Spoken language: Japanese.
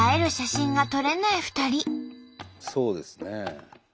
そうですね。